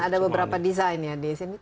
dan ada beberapa desain ya di sini